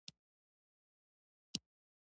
هغوی وایي چې صبر د بریالیتوب مور ده